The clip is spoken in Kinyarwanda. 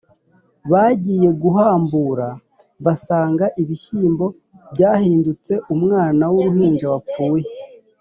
Bagiye guhambura, basanga ibishyimbo byahindutse umwana w'uruhinja wapfuye